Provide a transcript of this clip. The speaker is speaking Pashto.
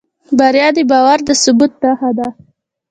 بریا د باور د ثبوت نښه ده.